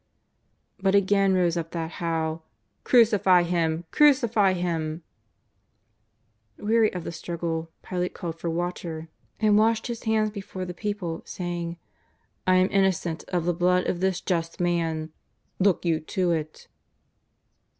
But again rose up that howl :" Crucify Him ! Crucify Him !" Weary of the struggle, Pilate called for water and «< 852 JESUS OF JSfAZARETH. washed his hands before the people, saying :" I ara innocent of the blood of this Just Man, look you to it."